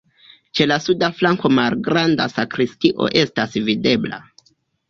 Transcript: Ĉe la suda flanko malgranda sakristio estas videbla.